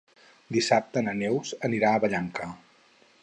Dissabte na Neus anirà a Vallanca.